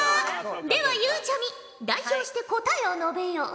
ではゆうちゃみ代表して答えを述べよ。